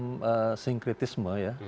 ada semacam sinkritisme ya